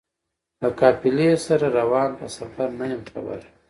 له قافلې سره روان په سفر نه یم خبر